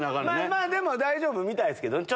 まぁでも大丈夫みたいですけどね。